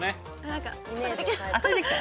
何か取れてきた。